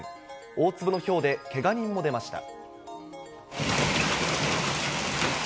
大粒のひょうで、けが人も出ました。